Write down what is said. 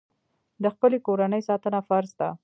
د خپلې کورنۍ ساتنه فرض ده.